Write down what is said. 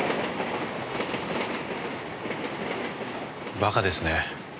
馬鹿ですね